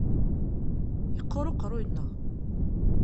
Yeqqur uqerruy-nneɣ.